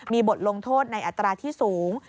มีบทลงโทษในอัตราที่สูง